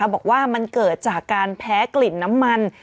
บอกว่ามันเกิดจากการแพ้กลิ่นน้ำมัน